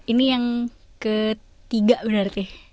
ini yang ketiga benar sih